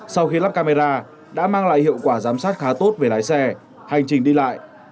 sau khi lắp camera đã mang lại hiệu quả giám sát khá tốt về lái xe hành trình đi lại